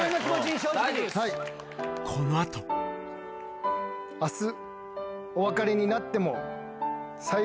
この後明日。